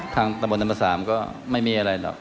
ตะบนธรรมสามก็ไม่มีอะไรหรอก